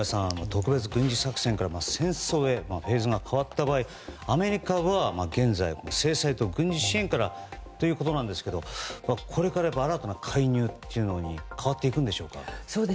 特別軍事作戦から戦争へフェーズが変わった場合アメリカは現在、制裁と軍事支援ということですがこれから介入というのに変わっていくんでしょうか。